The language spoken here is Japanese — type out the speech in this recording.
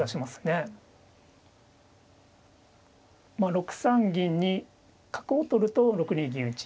６三銀に角を取ると６二銀打ち。